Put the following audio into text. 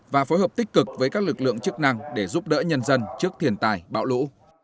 và phối hợp tích cực với các lực lượng chức năng để giúp đỡ nhân dân trước thiền tài bão lũ